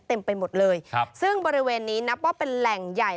เต็มไปหมดเลยครับซึ่งบริเวณนี้นับว่าเป็นแหล่งใหญ่